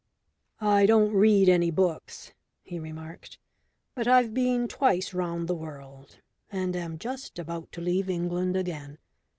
"I don't read any books," he remarked, "but I've been twice round the world, and am just about to leave England again.